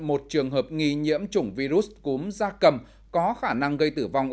một trường hợp nghi nhiễm chủng virus cúm da cầm có khả năng gây tử vong